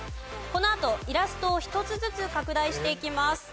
このあとイラストを１つずつ拡大していきます。